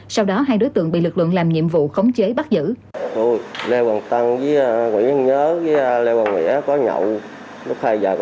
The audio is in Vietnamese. sau đó hai đối tượng bị lực lượng làm nhiệm vụ khống chế bắt giữ